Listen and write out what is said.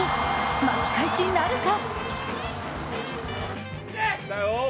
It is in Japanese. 巻き返しなるか？